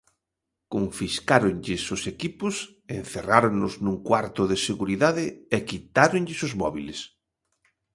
Confiscáronlles os equipos, encerráronos nun cuarto de seguridade e quitáronlles os móbiles.